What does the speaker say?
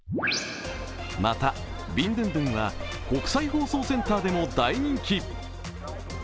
また、ビンドゥンドゥンは国際放送センターでも大人気。